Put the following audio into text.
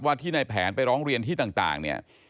ที่ในแผนไปร้องเรียนที่ต่างเนี่ย